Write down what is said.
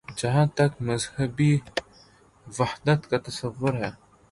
جہاں تک مذہبی وحدت کا تصور ہے۔